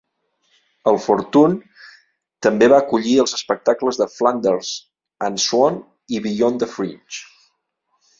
El Fortune també va acollir els espectacles de "Flanders and Swann" i "Beyond the Fringe".